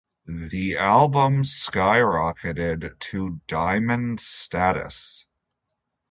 The album skyrocketed to Diamond status.